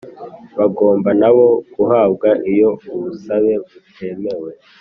bagomba nab o guhabwa Iyo ubusabe butemewe